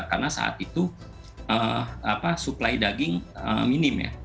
karena saat itu supply daging minim ya